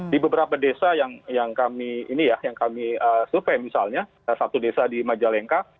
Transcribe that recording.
di beberapa desa yang kami ini ya yang kami survei misalnya satu desa di majalengka